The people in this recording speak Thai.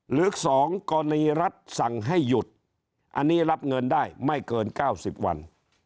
หลักสองกรณีรัฐสั่งให้หยุดอันนี้รับเงินได้ไม่เกินเก้าสิบวัน